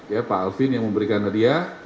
ya pak alvin yang memberikan hadiah